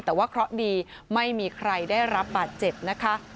แต่ว่าเคราะห์ดีไม่มีใครได้รับบาดเจ็บนะคะ